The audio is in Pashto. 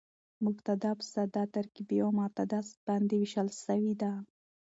مبتداء په ساده، ترکیبي او متعدده باندي وېشل سوې ده.